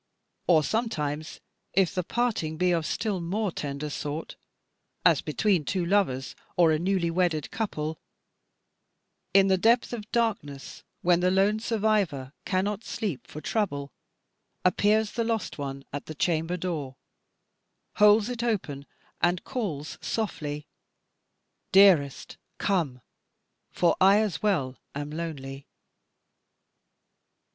Or sometimes, if the parting be of still more tender sort, (as between two lovers, or a newly wedded couple) in the depth of darkness when the lone survivor cannot sleep for trouble, appears the lost one at the chamber door, holds it open, and calls softly; "Dearest, come; for I as well am lonely."